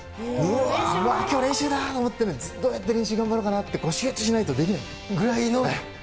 わー、きょう、練習だって思ってね、どうやって練習頑張ろうかなって、こう、集中しないとできないぐらいの。